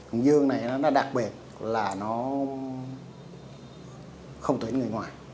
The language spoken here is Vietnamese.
ông dương này nó đặc biệt là nó không thuê người ngoài